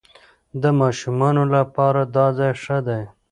د ماشومانو لپاره دا ځای ښه دی.